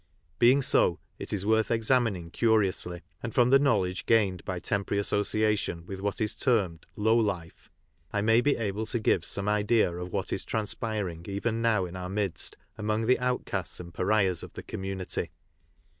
Being so, it is worth examining curiously, and from theknowledge gained by temporary association with what is termed [< low life,"^ I may be able to give some idea of what is transpiring even now in our midst among the outcasts and pariahs of the community.